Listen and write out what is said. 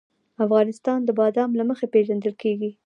افغانستان د بادام له مخې پېژندل کېږي.